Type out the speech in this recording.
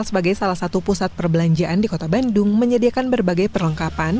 berbelanja menjelang hari lebaran